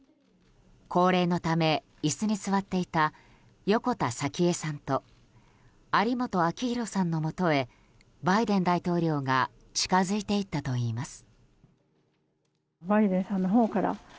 高齢のため椅子に座っていた横田早紀江さんと有本明弘さんのもとへバイデン大統領が近づいていったといいます。